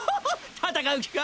戦う気か！？